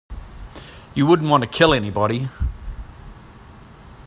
You wouldn't want to kill anybody.